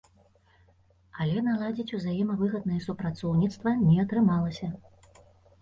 Але наладзіць узаемавыгаднае супрацоўніцтва не атрымалася.